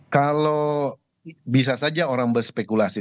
kalau bisa saja orang berspekulasi